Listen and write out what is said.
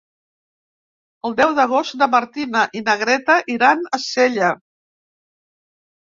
El deu d'agost na Martina i na Greta iran a Sella.